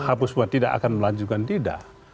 habus buat tidak akan melanjutkan tidak